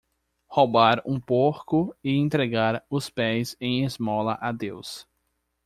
Roubar um porco e entregar os pés em esmola a Deus.